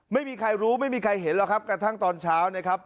ไม่มีใครรู้ไม่มีใครเห็นหรอกครับกระทั่งตอนเช้านะครับ